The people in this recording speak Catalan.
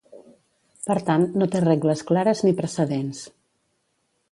Per tant, no té regles clares ni precedents.